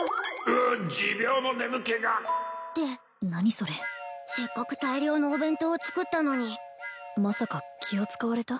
うっ持病の眠気が！って何それせっかく大量のお弁当を作ったのにまさか気を使われた？